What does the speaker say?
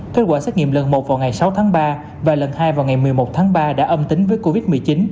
kết quả xét nghiệm lần một vào ngày sáu tháng ba và lần hai vào ngày một mươi một tháng ba đã âm tính với covid một mươi chín